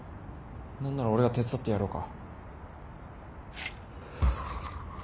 何なら俺が手伝ってやろうか？